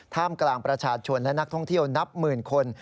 ท่ามกลางประชาชนและนักท่องเที่ยวนับหมื่นคน